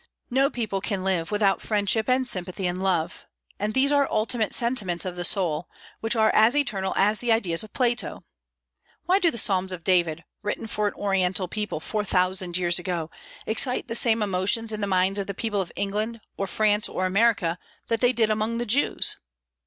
No people can live without friendship and sympathy and love; and these are ultimate sentiments of the soul, which are as eternal as the ideas of Plato. Why do the Psalms of David, written for an Oriental people four thousand years ago, excite the same emotions in the minds of the people of England or France or America that they did among the Jews?